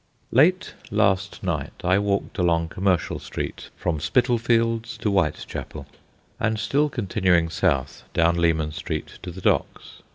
Late last night I walked along Commercial Street from Spitalfields to Whitechapel, and still continuing south, down Leman Street to the docks.